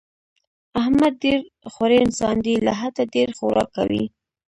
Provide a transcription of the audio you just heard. احمد ډېر خوری انسان دی، له حده ډېر خوراک کوي.